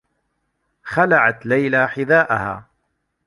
خلعت ليلى حذاءها.